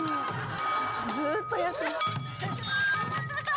ずっとやってる。